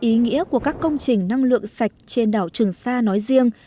ý nghĩa của các công trình năng lượng sạch trên đảo trường sa nói riêng